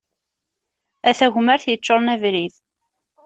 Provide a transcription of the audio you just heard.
A tagmart yeččuren abrid.